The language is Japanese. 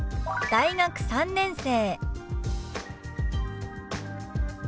「大学３年生」。